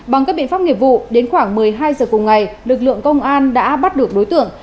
bằng các biện pháp nghiệp vụ đến khoảng một mươi hai giờ cùng ngày lực lượng công an đã bắt được đối tượng